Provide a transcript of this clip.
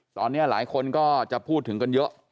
ตอนนี้หลายคนก็จะพูดถึงกันเยอะ